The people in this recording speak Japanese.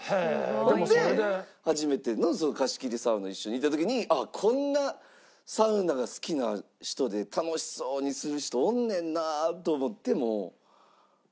ほんで初めてのその貸し切りサウナ一緒に行った時にこんなサウナが好きな人で楽しそうにする人おんねんなと思ってもう。